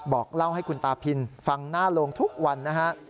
บอกเล่าให้คุณตาพินฟังหน้าโรงทุกวันนะฮะ